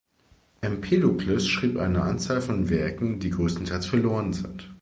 Empedokles schrieb eine Anzahl von Werken, die großenteils verloren sind.